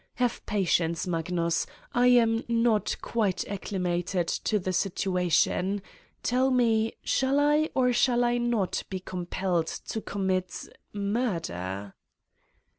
Have patience, Magnus. I am not quite acclimated to the situa tion. Tell me, shall I or shall I not be compelled to commit ... murder